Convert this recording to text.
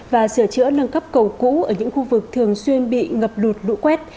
và sửa chữa nâng cấp cầu cũ ở những khu vực thường xuyên bị ngập lụt lũ quét